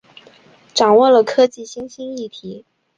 掌握科技新兴议题